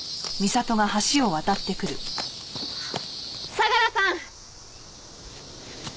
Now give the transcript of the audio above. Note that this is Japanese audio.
相良さん！